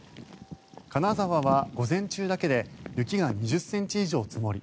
金沢は午前中だけで雪が２０ｃｍ以上積もり